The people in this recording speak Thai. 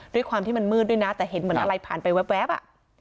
ด้วยความที่มันมืดด้วยนะแต่เห็นเหมือนอะไรผ่านไปแว๊บอ่ะ